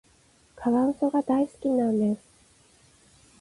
カワウソが大好きなんです。